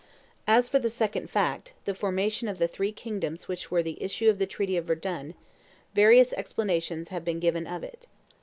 As for the second fact, the formation of the three kingdoms which were the issue of the treaty of Verdun, various explanations have been given of it.